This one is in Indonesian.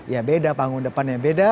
ya beda panggung depannya beda